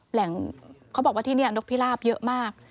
แหล่งเขาบอกว่าที่นี่นกพิราบเยอะมาก